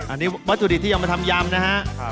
อันนี้วัตถุดิบที่เอามาทำยำนะฮะ